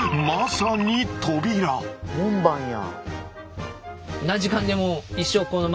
門番や。